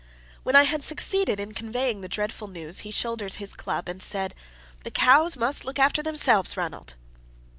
When I had succeeded in conveying the dreadful news, he shouldered his club, and said "The cows must look after themselves, Ranald!"